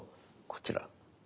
こちら。